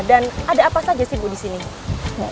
dan ada apa saja sih bu disini